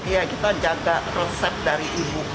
ya kita jaga resep dari ibu